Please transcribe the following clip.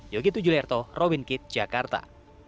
yogi tujul yarto robin kitt jakarta